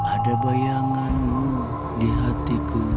ada bayanganmu di hatiku